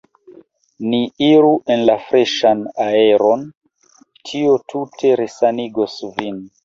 Ni iru en la freŝan aeron, tio tute resanigos vin.